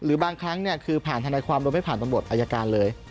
บางครั้งคือผ่านทนายความโดยไม่ผ่านตำรวจอายการเลย